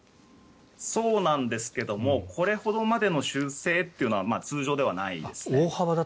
そうなんですけどもこれほどまでの修正というのは通常ではないですね。